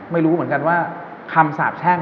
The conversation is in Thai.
ไม่รู้เหมือนกันว่าคำสาบแช่ง